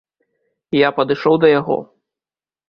Я падышоў да яго.